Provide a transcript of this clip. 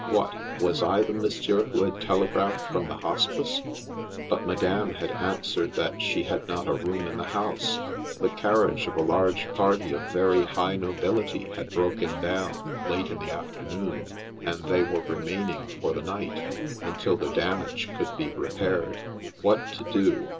What, was I the monsieur who had telegraphed from the Hospice ? But madame had answered that she had not a room in the house. The carriage of a large party of very high nobility had broken down late in the afternoon, and they were remaining for the night, until the damage could be repaired. What to do?